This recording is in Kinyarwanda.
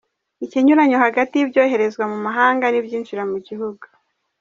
Ikinyuranyo hagati y’ibyoherezwa mu mahanga n’ibyinjira mu gihugu.